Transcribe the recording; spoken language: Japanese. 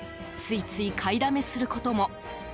ついつい買いだめすることも。